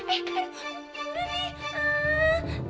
eh eh udah nih